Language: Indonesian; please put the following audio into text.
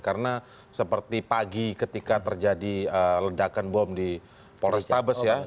karena seperti pagi ketika terjadi ledakan bom di polrestabes ya